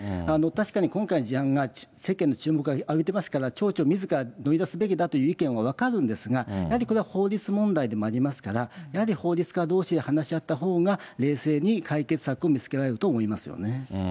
確かに今回、事案が世間の注目浴びてますから、町長みずから乗り出すべきだという意見は分かるんですが、やはりこれは法律問題でもありますから、やはり法律家どうしで話し合ったほうが、冷静に解決策を見つけられると思います